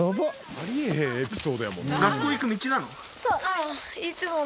あり得へんエピソードやもんな。